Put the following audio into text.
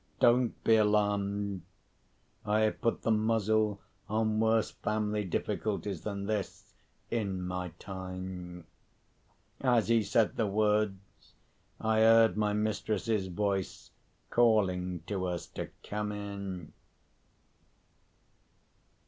Don't be alarmed! I have put the muzzle on worse family difficulties than this, in my time." As he said the words I heard my mistress's voice calling to us to come in.